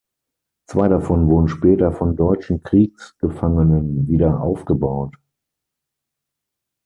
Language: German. Zwei davon wurden später von deutschen Kriegsgefangenen wieder aufgebaut.